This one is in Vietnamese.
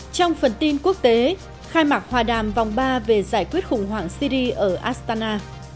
trong phần tin quốc tế khai mạc hòa đàm vòng ba về giải quyết khủng hoảng syri ở astana